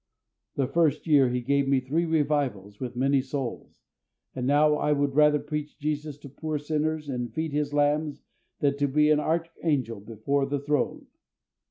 The first year He gave me three revivals, with many souls; and now I would rather preach Jesus to poor sinners and feed His lambs than to be an archangel before the Throne.